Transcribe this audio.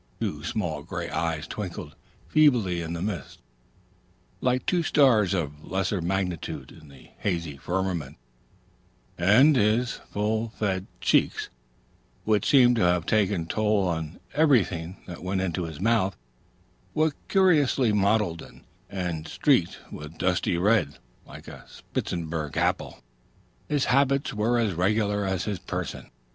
Two small gray eyes twinkled feebly in the midst, like two stars of lesser magnitude in a hazy firmament, and his full fed cheeks, which seemed to have taken toll of everything that went into his mouth, were curiously mottled and streaked with dusty red, like a spitzenberg apple. His habits were as regular as his person.